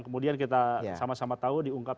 kemudian kita sama sama tahu diungkap